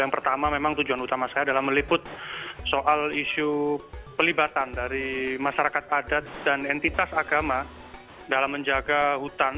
yang pertama memang tujuan utama saya adalah meliput soal isu pelibatan dari masyarakat adat dan entitas agama dalam menjaga hutan